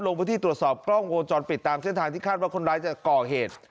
ลงพื้นที่ตรวจสอบกล้องวงจรปิดตามเส้นทางที่คาดว่าคนร้ายจะก่อเหตุ